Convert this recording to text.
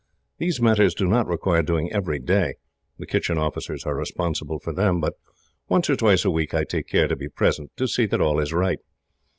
These matters do not require doing every day. The kitchen officers are responsible for them, but once or twice a week I take care to be present, to see that all is right.